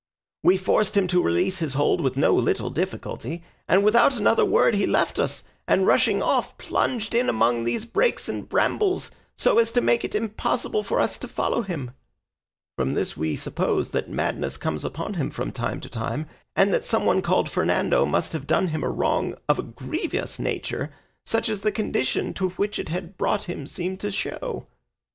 "We forced him to release his hold with no little difficulty, and without another word he left us, and rushing off plunged in among these brakes and brambles, so as to make it impossible for us to follow him; from this we suppose that madness comes upon him from time to time, and that some one called Fernando must have done him a wrong of a grievous nature such as the condition to which it had brought him seemed to show.